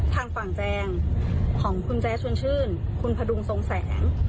ทางฝั่งแจงของคุณแจ๊สชวนชื่นคุณพระดุงทรงแสง